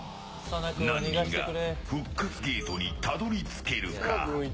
何人が復活ゲートにたどり着けるか。